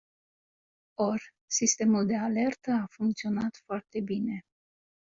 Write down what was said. Or, sistemul de alertă a funcționat foarte bine.